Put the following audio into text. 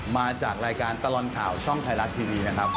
มาจากรายการตลอดข่าวช่องไทยรัฐทีวีนะครับ